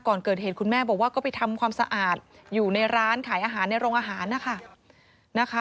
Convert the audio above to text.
ก่อนเกิดเหตุคุณแม่บอกว่าก็ไปทำความสะอาดอยู่ในร้านขายอาหารในโรงอาหารนะคะ